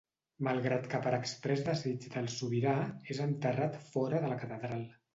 Malgrat que per exprés desig del sobirà és enterrat fora de la catedral.